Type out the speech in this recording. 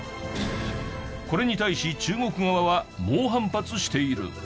これに対し中国側は猛反発している。